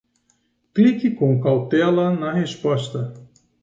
Clique com cautela na resposta!